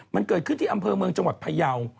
มันเกิดขึ้นที่อำเภอเมืองจังหวัดพยาว